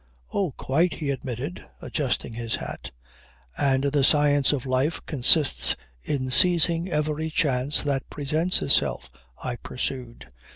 "Oh, quite!" he admitted, adjusting his hat. "And the science of life consists in seizing every chance that presents itself," I pursued.